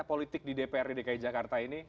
politik di dprd dki jakarta ini